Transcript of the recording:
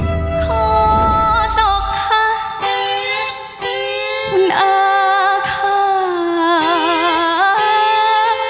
ขอศักดิ์ค่ะคุณอาคาร